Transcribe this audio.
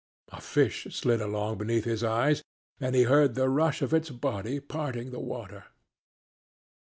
A fish slid along beneath his eyes and he heard the rush of its body parting the water.